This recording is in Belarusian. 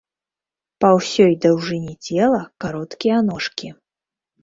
Па ўсёй даўжыні цела кароткія ножкі.